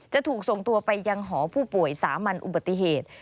จะถูกส่งตัวไปยังหอผู้ป่วยสามัญอุบัติเหตุ